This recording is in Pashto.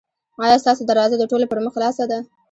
ایا ستاسو دروازه د ټولو پر مخ خلاصه ده؟